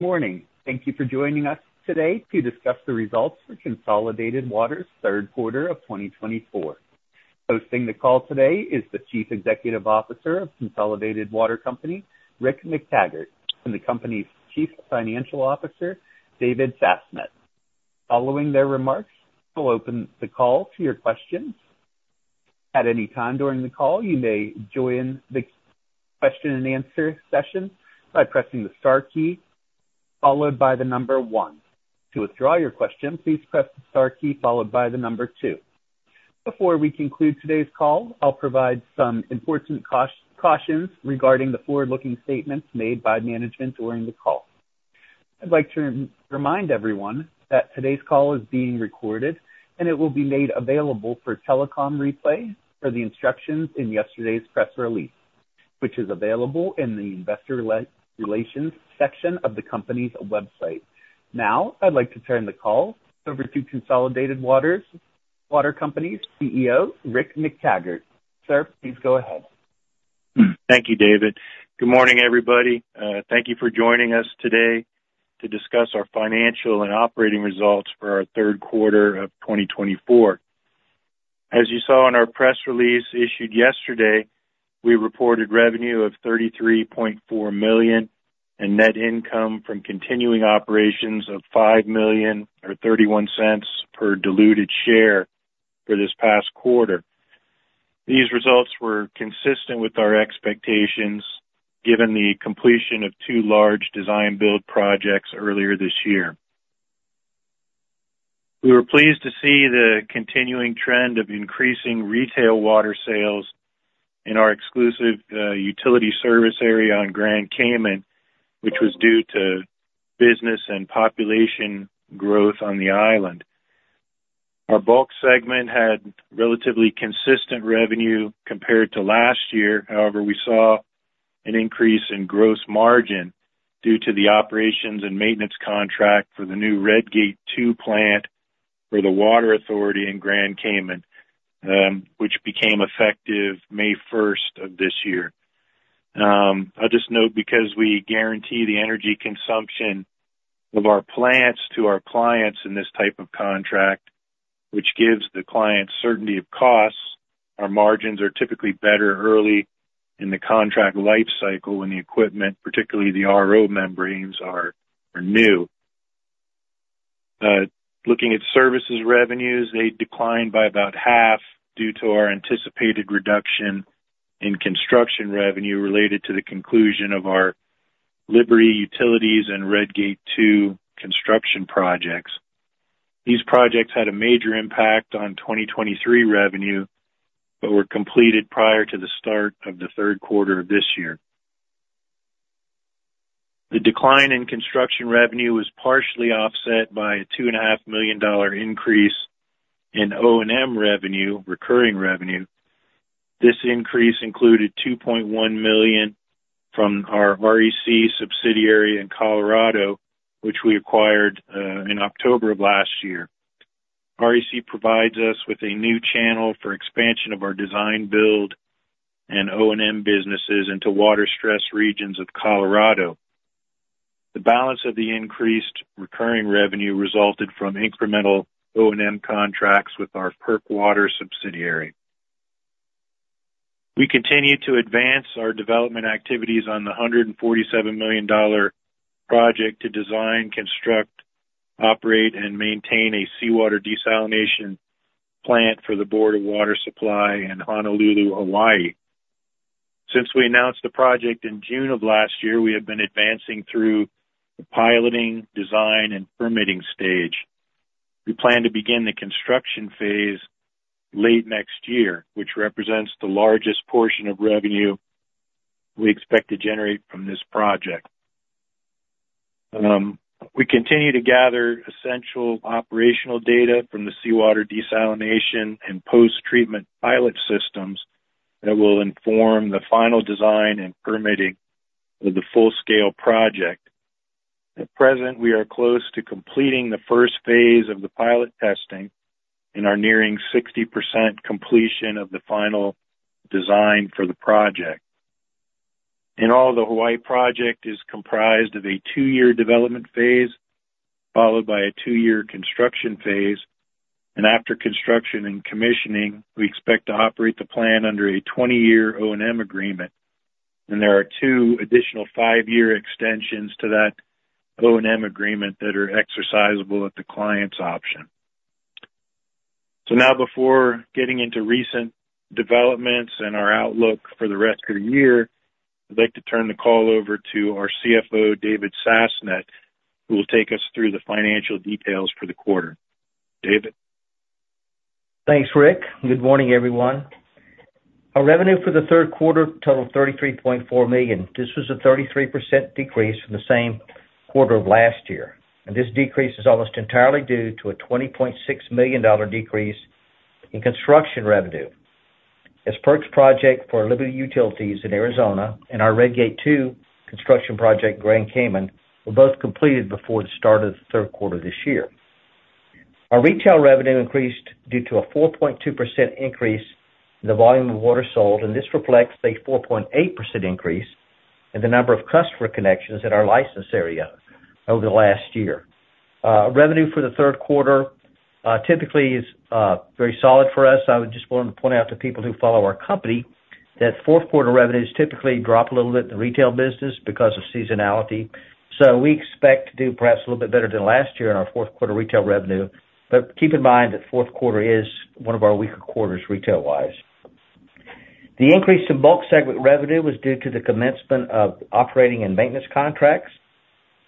Good morning. Thank you for joining us today to discuss the results for Consolidated Water's third quarter of 2024. Hosting the call today is the Chief Executive Officer of Consolidated Water Company, Rick McTaggart, and the company's Chief Financial Officer, David Sasnett. Following their remarks, we'll open the call to your questions. At any time during the call, you may join the question-and-answer session by pressing the star key followed by the number one. To withdraw your question, please press the star key followed by the number two. Before we conclude today's call, I'll provide some important cautions regarding the forward-looking statements made by management during the call. I'd like to remind everyone that today's call is being recorded, and it will be made available for telecom replay for the instructions in yesterday's press release, which is available in the investor relations section of the company's website. Now, I'd like to turn the call over to Consolidated Water Company's CEO, Rick McTaggart. Sir, please go ahead. Thank you, David. Good morning, everybody. Thank you for joining us today to discuss our financial and operating results for our third quarter of 2024. As you saw in our press release issued yesterday, we reported revenue of $33.4 million and net income from continuing operations of $5.31 per diluted share for this past quarter. These results were consistent with our expectations given the completion of two large design-build projects earlier this year. We were pleased to see the continuing trend of increasing retail water sales in our exclusive utility service area on Grand Cayman, which was due to business and population growth on the island. Our bulk segment had relatively consistent revenue compared to last year. However, we saw an increase in gross margin due to the operations and maintenance contract for the new Red Gate II plant for the Water Authority in Grand Cayman, which became effective May 1st of this year. I'll just note, because we guarantee the energy consumption of our plants to our clients in this type of contract, which gives the client certainty of costs, our margins are typically better early in the contract lifecycle when the equipment, particularly the RO membranes, are new. Looking at services revenues, they declined by about half due to our anticipated reduction in construction revenue related to the conclusion of our Liberty Utilities and Red Gate II construction projects. These projects had a major impact on 2023 revenue but were completed prior to the start of the third quarter of this year. The decline in construction revenue was partially offset by a $2.5 million increase in O&M revenue, recurring revenue. This increase included $2.1 million from our REC subsidiary in Colorado, which we acquired in October of last year. REC provides us with a new channel for expansion of our design-build and O&M businesses into water-stressed regions of Colorado. The balance of the increased recurring revenue resulted from incremental O&M contracts with our PERC Water subsidiary. We continue to advance our development activities on the $147 million project to design, construct, operate, and maintain a seawater desalination plant for the Board of Water Supply in Honolulu, Hawaii. Since we announced the project in June of last year, we have been advancing through the piloting, design, and permitting stage. We plan to begin the construction phase late next year, which represents the largest portion of revenue we expect to generate from this project. We continue to gather essential operational data from the seawater desalination and post-treatment pilot systems that will inform the final design and permitting of the full-scale project. At present, we are close to completing the first phase of the pilot testing and are nearing 60% completion of the final design for the project. In all, the Hawaii project is comprised of a two-year development phase followed by a two-year construction phase. And after construction and commissioning, we expect to operate the plant under a 20-year O&M agreement. And there are two additional five-year extensions to that O&M agreement that are exercisable at the client's option. So now, before getting into recent developments and our outlook for the rest of the year, I'd like to turn the call over to our CFO, David Sasnett, who will take us through the financial details for the quarter. David. Thanks, Rick. Good morning, everyone. Our revenue for the third quarter totaled $33.4 million. This was a 33% decrease from the same quarter of last year, and this decrease is almost entirely due to a $20.6 million decrease in construction revenue, as PERC's project for Liberty Utilities in Arizona and our Red Gate II construction project in Grand Cayman were both completed before the start of the third quarter of this year. Our retail revenue increased due to a 4.2% increase in the volume of water sold, and this reflects a 4.8% increase in the number of customer connections in our license area over the last year. Revenue for the third quarter typically is very solid for us. I just wanted to point out to people who follow our company that fourth-quarter revenues typically drop a little bit in the retail business because of seasonality. We expect to do perhaps a little bit better than last year in our fourth-quarter retail revenue. But keep in mind that fourth quarter is one of our weaker quarters retail-wise. The increase in bulk segment revenue was due to the commencement of operating and maintenance contracts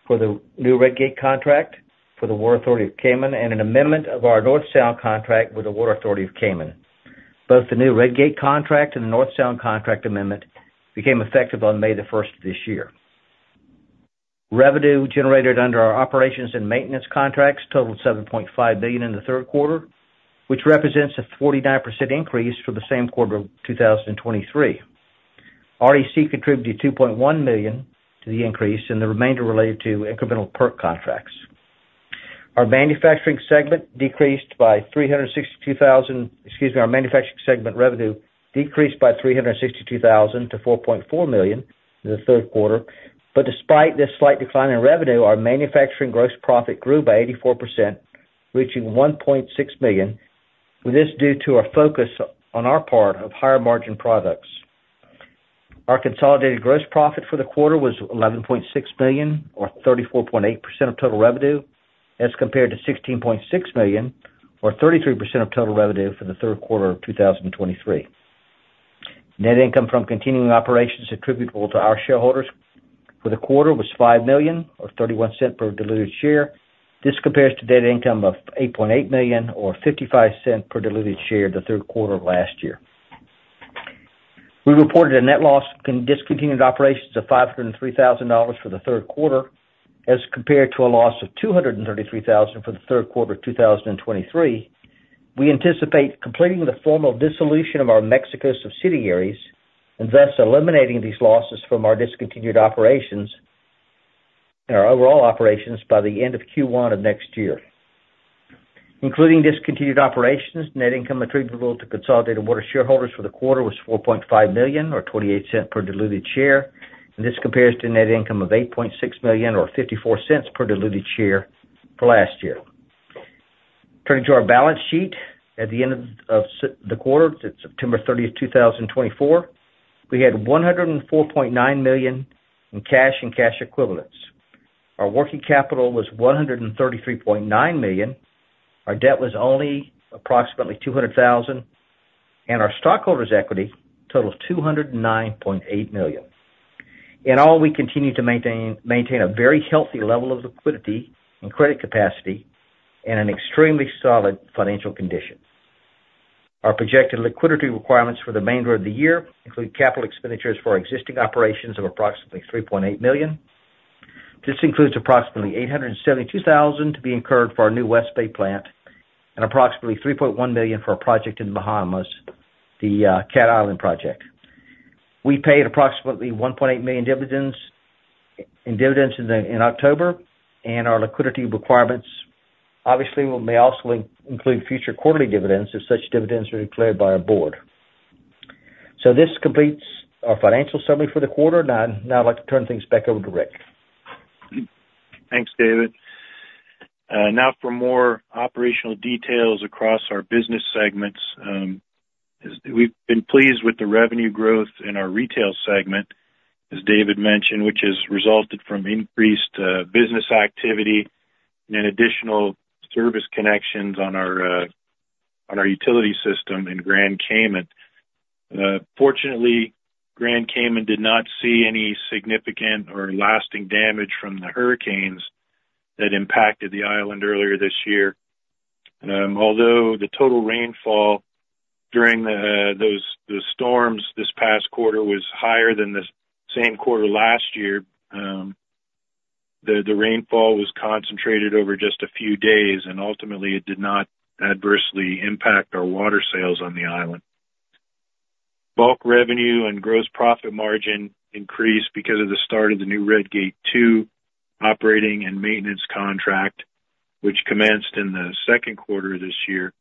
for the new Red Gate contract for the Water Authority-Cayman and an amendment of our North Sound contract with the Water Authority-Cayman. Both the new Red Gate contract and the North Sound contract amendment became effective on May the 1st of this year. Revenue generated under our operations and maintenance contracts totaled $7.5 million in the third quarter, which represents a 49% increase from the same quarter of 2023. REC contributed $2.1 million to the increase, and the remainder related to incremental PERC contracts. Our manufacturing segment decreased by $362,000, excuse me, our manufacturing segment revenue decreased by $362,000 to $4.4 million in the third quarter. But despite this slight decline in revenue, our manufacturing gross profit grew by 84%, reaching $1.6 million. This is due to our focus on our part of higher margin products. Our consolidated gross profit for the quarter was $11.6 million, or 34.8% of total revenue, as compared to $16.6 million, or 33% of total revenue for the third quarter of 2023. Net income from continuing operations attributable to our shareholders for the quarter was $5.00 million, or $0.31 per diluted share. This compares to net income of $8.8 million, or $0.55 per diluted share, the third quarter of last year. We reported a net loss from discontinued operations of $503,000 for the third quarter as compared to a loss of $233,000 for the third quarter of 2023. We anticipate completing the formal dissolution of our Mexico subsidiaries and thus eliminating these losses from our discontinued operations and our overall operations by the end of Q1 of next year. Including discontinued operations, net income attributable to Consolidated Water shareholders for the quarter was $4.5 million, or $0.28 per diluted share, and this compares to net income of $8.6 million, or $0.54 per diluted share for last year. Turning to our balance sheet at the end of the quarter, September 30th, 2024, we had $104.9 million in cash and cash equivalents. Our working capital was $133.9 million. Our debt was only approximately $200,000, and our stockholders' equity totaled $209.8 million. In all, we continue to maintain a very healthy level of liquidity and credit capacity and an extremely solid financial condition. Our projected liquidity requirements for the remainder of the year include capital expenditures for existing operations of approximately $3.8 million. This includes approximately $872,000 to be incurred for our new West Bay Plant and approximately $3.1 million for a project in the Bahamas, the Cat Island Project. We paid approximately $1.8 million in dividends in October, and our liquidity requirements, obviously, may also include future quarterly dividends if such dividends are declared by our board, so this completes our financial summary for the quarter. Now, I'd like to turn things back over to Rick. Thanks, David. Now, for more operational details across our business segments, we've been pleased with the revenue growth in our retail segment, as David mentioned, which has resulted from increased business activity and additional service connections on our utility system in Grand Cayman. Fortunately, Grand Cayman did not see any significant or lasting damage from the hurricanes that impacted the island earlier this year. Although the total rainfall during those storms this past quarter was higher than the same quarter last year, the rainfall was concentrated over just a few days, and ultimately, it did not adversely impact our water sales on the island. Bulk revenue and gross profit margin increased because of the start of the new Red Gate II operating and maintenance contract, which commenced in the second quarter of this year.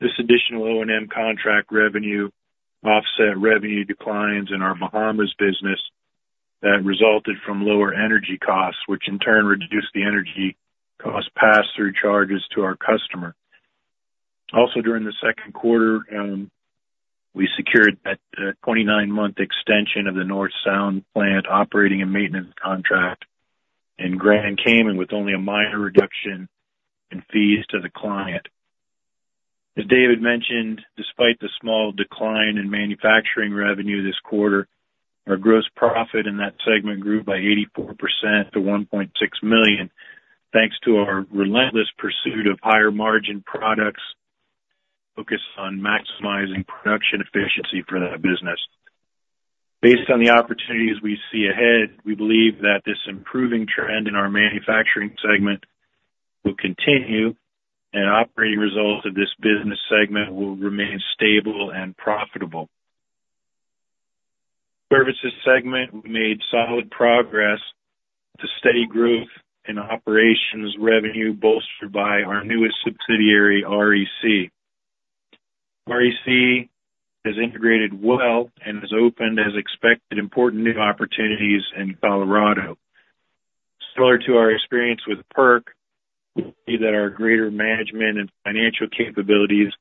This additional O&M contract revenue offset revenue declines in our Bahamas business that resulted from lower energy costs, which in turn reduced the energy cost pass-through charges to our customer. Also, during the second quarter, we secured a 29-month extension of the North Sound plant operating and maintenance contract in Grand Cayman with only a minor reduction in fees to the client. As David mentioned, despite the small decline in manufacturing revenue this quarter, our gross profit in that segment grew by 84% to $1.6 million, thanks to our relentless pursuit of higher margin products focused on maximizing production efficiency for that business. Based on the opportunities we see ahead, we believe that this improving trend in our manufacturing segment will continue, and operating results of this business segment will remain stable and profitable. Services segment, we made solid progress with a steady growth in operations revenue bolstered by our newest subsidiary, REC. REC has integrated well and has opened, as expected, important new opportunities in Colorado. Similar to our experience with PERC, we see that our greater management and financial capabilities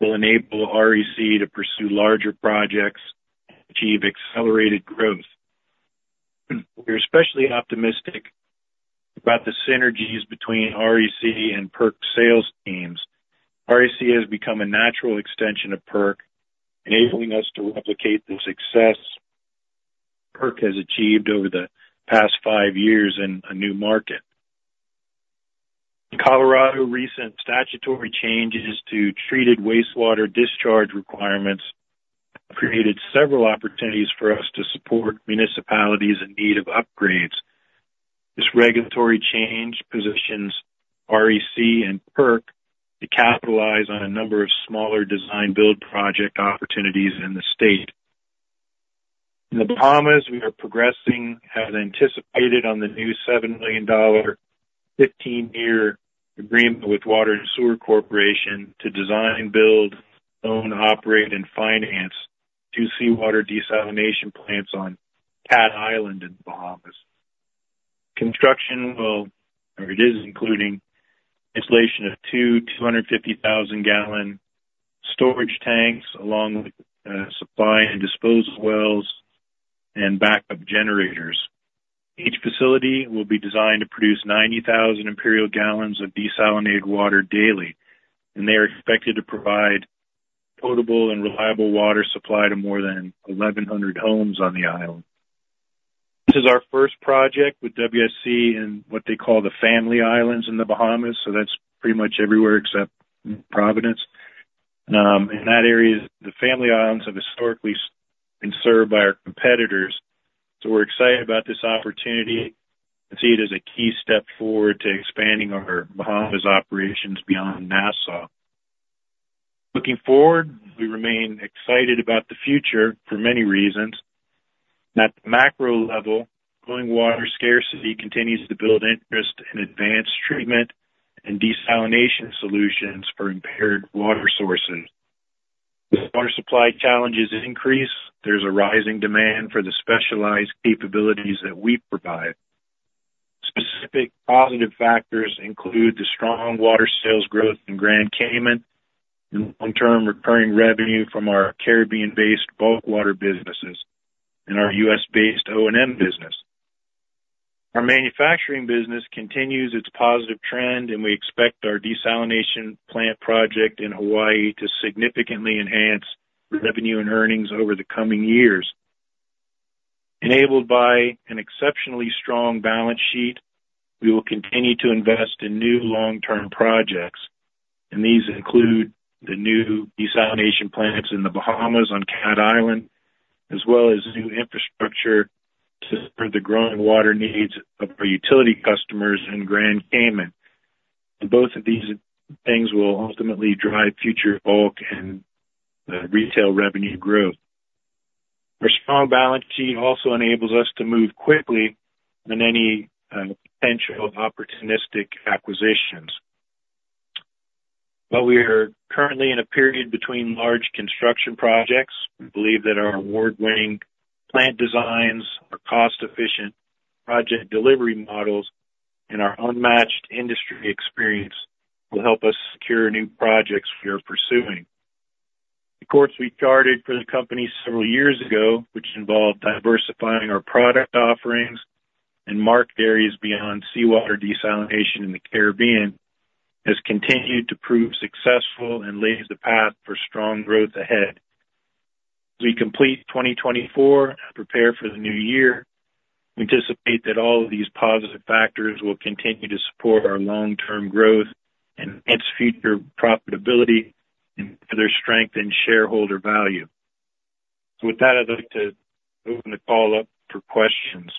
will enable REC to pursue larger projects and achieve accelerated growth. We are especially optimistic about the synergies between REC and PERC sales teams. REC has become a natural extension of PERC, enabling us to replicate the success PERC has achieved over the past five years in a new market. In Colorado, recent statutory changes to treated wastewater discharge requirements have created several opportunities for us to support municipalities in need of upgrades. This regulatory change positions REC and PERC to capitalize on a number of smaller design-build project opportunities in the state. In the Bahamas, we are progressing, as anticipated, on the new $7 million 15-year agreement with Water and Sewerage Corporation to design, build, own, operate, and finance two seawater desalination plants on Cat Island in the Bahamas. Construction will, or it is, including installation of two 250,000-gallon storage tanks along with supply and disposal wells and backup generators. Each facility will be designed to produce 90,000 imperial gallons of desalinated water daily. And they are expected to provide potable and reliable water supply to more than 1,100 homes on the island. This is our first project with WSC in what they call the Family Islands in the Bahamas. So that's pretty much everywhere except Providence. In that area, the Family Islands have historically been served by our competitors. So we're excited about this opportunity and see it as a key step forward to expanding our Bahamas operations beyond Nassau. Looking forward, we remain excited about the future for many reasons. At the macro level, growing water scarcity continues to build interest in advanced treatment and desalination solutions for impaired water sources. As water supply challenges increase, there's a rising demand for the specialized capabilities that we provide. Specific positive factors include the strong water sales growth in Grand Cayman and long-term recurring revenue from our Caribbean-based bulk water businesses and our U.S.-based O&M business. Our manufacturing business continues its positive trend, and we expect our desalination plant project in Hawaii to significantly enhance revenue and earnings over the coming years. Enabled by an exceptionally strong balance sheet, we will continue to invest in new long-term projects, and these include the new desalination plants in the Bahamas on Cat Island, as well as new infrastructure to further growing water needs of our utility customers in Grand Cayman. Both of these things will ultimately drive future bulk and retail revenue growth. Our strong balance sheet also enables us to move quickly in any potential opportunistic acquisitions. While we are currently in a period between large construction projects, we believe that our award-winning plant designs, our cost-efficient project delivery models, and our unmatched industry experience will help us secure new projects we are pursuing. The course we started for the company several years ago, which involved diversifying our product offerings and market areas beyond seawater desalination in the Caribbean, has continued to prove successful and lays the path for strong growth ahead. As we complete 2024 and prepare for the new year, we anticipate that all of these positive factors will continue to support our long-term growth and enhance future profitability and further strengthen shareholder value. With that, I'd like to open the call up for questions.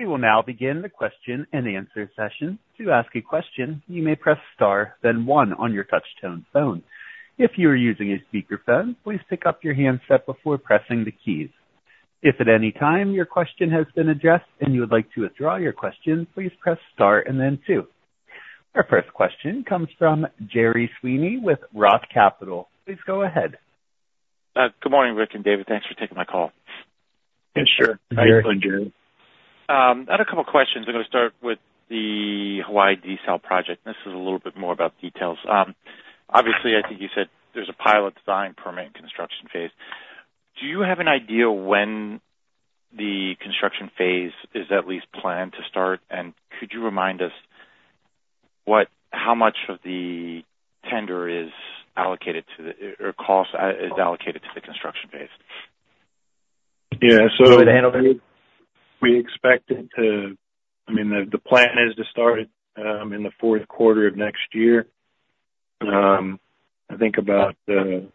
We will now begin the question and answer session. To ask a question, you may press star, then one on your touch-tone phone. If you are using a speakerphone, please pick up your handset before pressing the keys. If at any time your question has been addressed and you would like to withdraw your question, please press star and then two. Our first question comes from Gerry Sweeney with Roth Capital. Please go ahead. Good morning, Rick and David. Thanks for taking my call. Yeah, sure. Very good, Gerry. I had a couple of questions. I'm going to start with the Hawaii DESAL project. This is a little bit more about details. Obviously, I think you said there's a pilot design permit and construction phase. Do you have an idea when the construction phase is at least planned to start? And could you remind us how much of the tender is allocated to the construction phase? Yeah, so we expect it to, I mean, the plan is to start it in the fourth quarter of next year. I think about the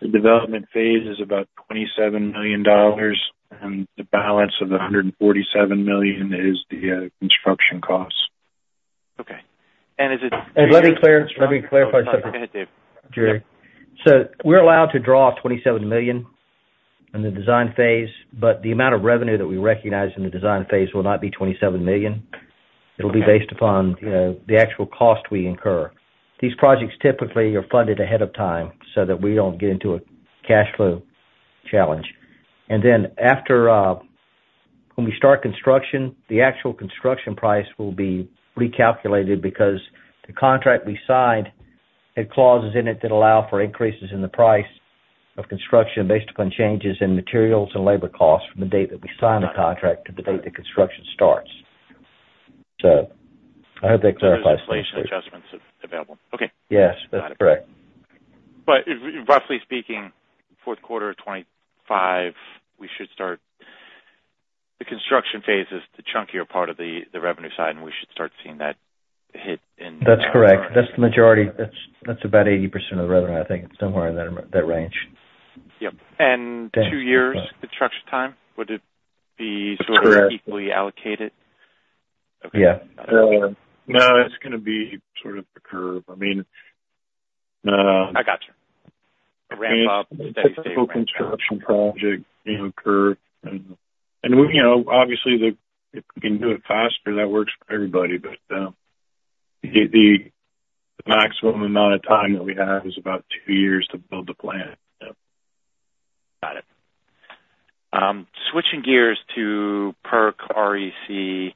development phase is about $27 million, and the balance of the $147 million is the construction costs. Okay, and is it? Let me clarify something. Go ahead, David. Gerry. We're allowed to draw $27 million in the design phase, but the amount of revenue that we recognize in the design phase will not be $27 million. It'll be based upon the actual cost we incur. These projects typically are funded ahead of time so that we don't get into a cash flow challenge. Then after when we start construction, the actual construction price will be recalculated because the contract we signed had clauses in it that allow for increases in the price of construction based upon changes in materials and labor costs from the date that we sign the contract to the date that construction starts. I hope that clarifies the situation. There's some adjustments available. Okay. Yes. That's correct. But roughly speaking, fourth quarter of 2025, we should start the construction phase is the chunkier part of the revenue side, and we should start seeing that hit in. That's correct. That's the majority. That's about 80% of the revenue, I think. It's somewhere in that range. Yep. And two years, the construction time, would it be sort of equally allocated? Correct. Okay. Yeah. No, it's going to be sort of a curve. I mean. I gotcha. A ramp-up steady state kind of. It's a full construction project curve. And obviously, if we can do it faster, that works for everybody. But the maximum amount of time that we have is about two years to build the plant. Got it. Switching gears to PERC, REC,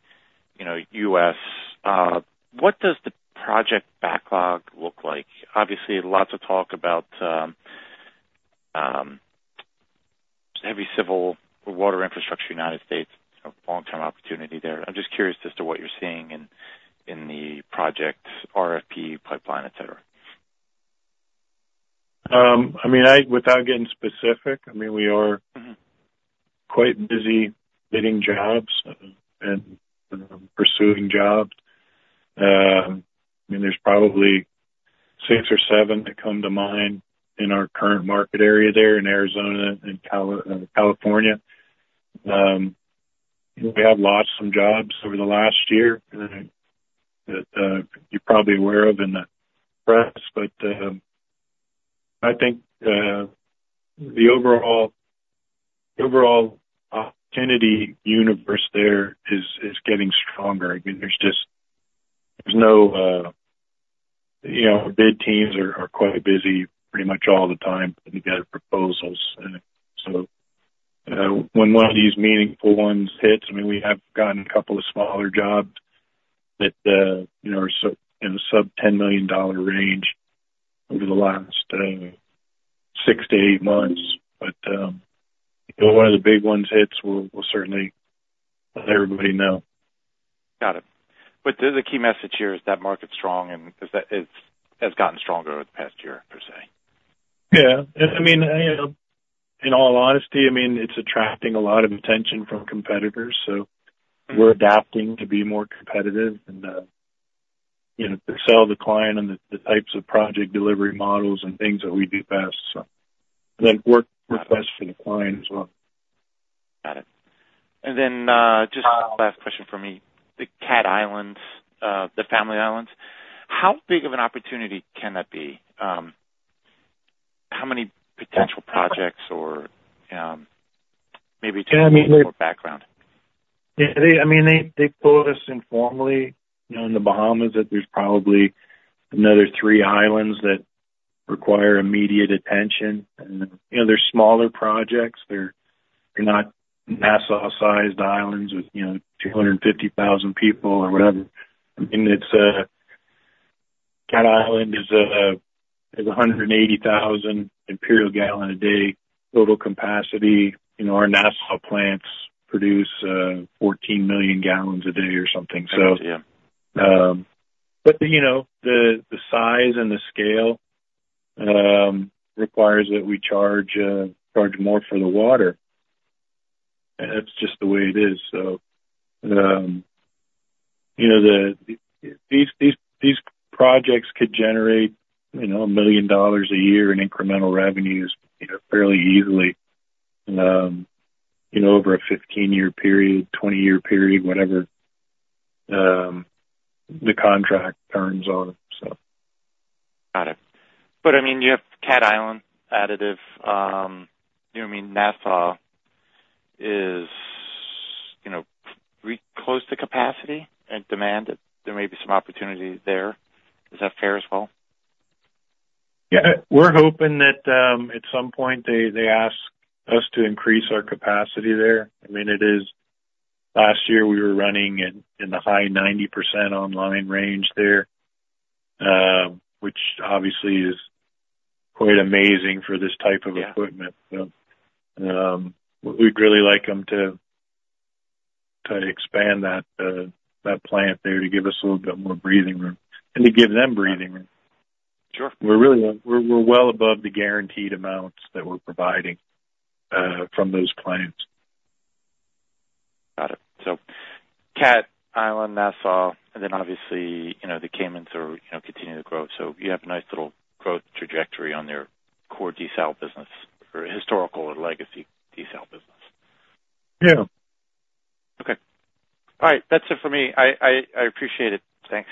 U.S., what does the project backlog look like? Obviously, lots of talk about heavy civil water infrastructure in the United States, long-term opportunity there. I'm just curious as to what you're seeing in the project RFP pipeline, etc. I mean, without getting specific, I mean, we are quite busy bidding jobs and pursuing jobs. I mean, there's probably six or seven that come to mind in our current market area there in Arizona and California. We have lost some jobs over the last year that you're probably aware of in the press. But I think the overall opportunity universe there is getting stronger. I mean, bid teams are quite busy pretty much all the time putting together proposals. So when one of these meaningful ones hits, I mean, we have gotten a couple of smaller jobs that are in the sub-$10 million range over the last six to eight months. But one of the big ones hits will certainly let everybody know. Got it. But the key message here is that market's strong and has gotten stronger over the past year, per se. Yeah. I mean, in all honesty, I mean, it's attracting a lot of attention from competitors. So we're adapting to be more competitive and to sell the client on the types of project delivery models and things that we do best and then work best for the client as well. Got it. And then just last question for me. The Cat Islands, the family islands, how big of an opportunity can that be? How many potential projects or maybe too big for background? I mean, they told us informally in the Bahamas that there's probably another three islands that require immediate attention. And they're smaller projects. They're not Nassau-sized islands with 250,000 people or whatever. I mean, Cat Island is 180,000 imperial gallon a day total capacity. Our Nassau plants produce 14 million gallons a day or something. That's a good idea. But the size and the scale requires that we charge more for the water. And that's just the way it is. So these projects could generate $1 million a year in incremental revenues fairly easily over a 15-year period, 20-year period, whatever the contract terms are, so. Got it. But I mean, you have Cat Island activity. I mean, Nassau is close to capacity and demand. There may be some opportunity there. Is that fair as well? Yeah. We're hoping that at some point they ask us to increase our capacity there. I mean, last year we were running in the high 90% online range there, which obviously is quite amazing for this type of equipment. So we'd really like them to expand that plant there to give us a little bit more breathing room and to give them breathing room. Sure. We're well above the guaranteed amounts that we're providing from those clients. Got it. So Cat Island, Nassau, and then obviously the Caymans are continuing to grow. So you have a nice little growth trajectory on their core DESAL business or historical or legacy DESAL business. Yeah. Okay. All right. That's it for me. I appreciate it. Thanks.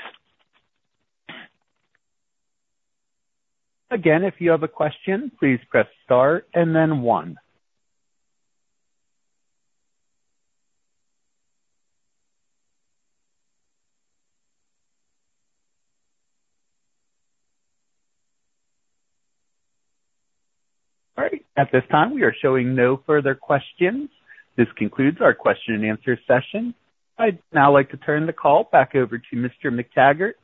Again, if you have a question, please press star and then one. All right. At this time, we are showing no further questions. This concludes our question and answer session. I'd now like to turn the call back over to Mr. McTaggart.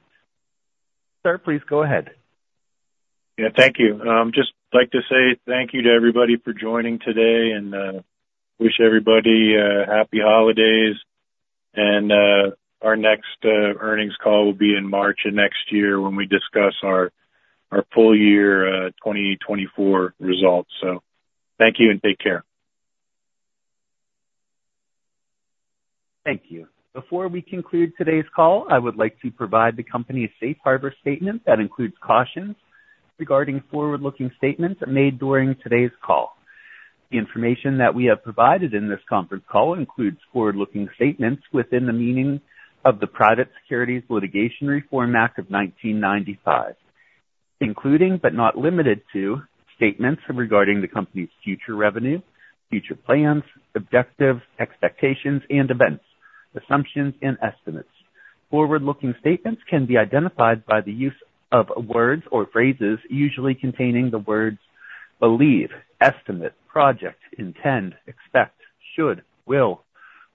Sir, please go ahead. Yeah. Thank you. I'd just like to say thank you to everybody for joining today and wish everybody happy holidays. And our next earnings call will be in March of next year when we discuss our full year 2024 results. So thank you and take care. Thank you. Before we conclude today's call, I would like to provide the company a safe harbor statement that includes cautions regarding forward-looking statements made during today's call. The information that we have provided in this conference call includes forward-looking statements within the meaning of the Private Securities Litigation Reform Act of 1995, including but not limited to statements regarding the company's future revenue, future plans, objectives, expectations, and events, assumptions, and estimates. Forward-looking statements can be identified by the use of words or phrases usually containing the words believe, estimate, project, intend, expect, should, will,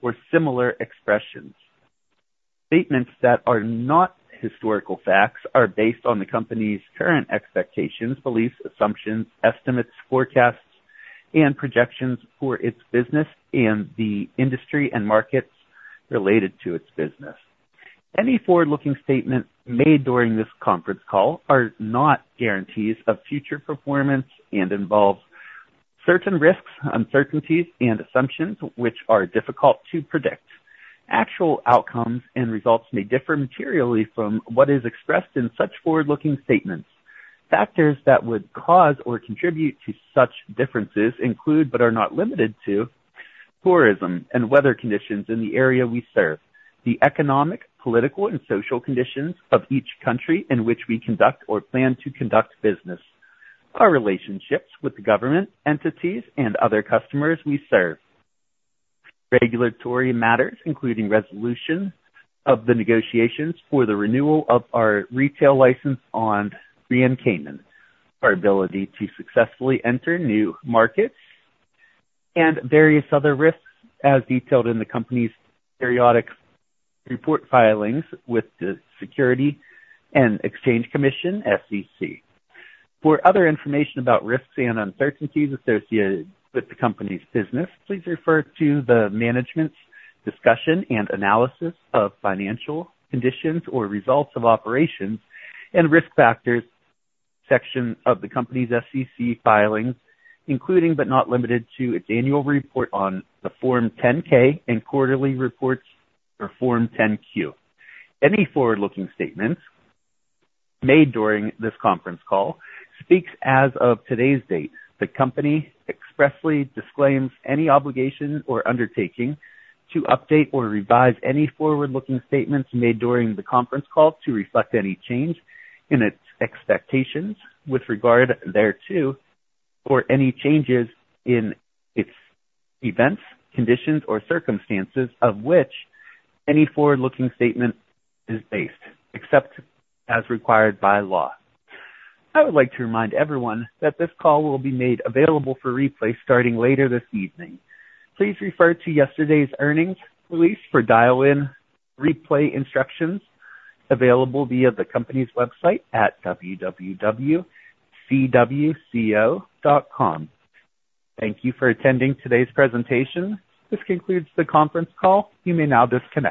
or similar expressions. Statements that are not historical facts are based on the company's current expectations, beliefs, assumptions, estimates, forecasts, and projections for its business and the industry and markets related to its business. Any forward-looking statements made during this conference call are not guarantees of future performance and involve certain risks, uncertainties, and assumptions which are difficult to predict. Actual outcomes and results may differ materially from what is expressed in such forward-looking statements. Factors that would cause or contribute to such differences include, but are not limited to, tourism and weather conditions in the area we serve, the economic, political, and social conditions of each country in which we conduct or plan to conduct business, our relationships with the government entities and other customers we serve, regulatory matters including resolution of the negotiations for the renewal of our retail license on Grand Cayman, our ability to successfully enter new markets, and various other risks as detailed in the company's periodic report filings with the Securities and Exchange Commission, SEC. For other information about risks and uncertainties associated with the company's business, please refer to the management's discussion and analysis of financial conditions or results of operations and risk factors section of the company's SEC filings, including but not limited to its annual report on the Form 10-K and quarterly reports on Form 10-Q. Any forward-looking statements made during this conference call speak as of today's date. The company expressly disclaims any obligation or undertaking to update or revise any forward-looking statements made during the conference call to reflect any change in its expectations with regard thereto, or any changes in events, conditions, or circumstances on which any forward-looking statement is based, except as required by law. I would like to remind everyone that this call will be made available for replay starting later this evening. Please refer to yesterday's earnings release for dial-in replay instructions available via the company's website at www.cwco.com. Thank you for attending today's presentation. This concludes the conference call. You may now disconnect.